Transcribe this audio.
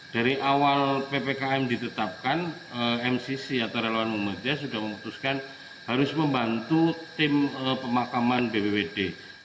dari awal ppkm ditetapkan mcc atau relawan muhammadiyah sudah memutuskan harus membantu tim pemakaman bbwt